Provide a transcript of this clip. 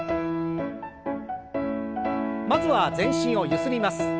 まずは全身をゆすります。